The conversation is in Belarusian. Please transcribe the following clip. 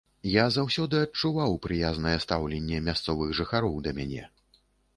Я заўсёды адчуваў прыязнае стаўленне мясцовых жыхароў да мяне.